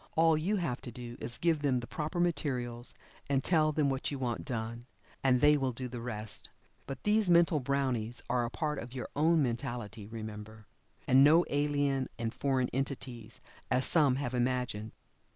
All you have to do is to give them the proper materials, and tell then what you want done, and they will do the rest. But these mental brownies are a part of your own mentality, remember, and no alien and foreign entities, as some have imagined.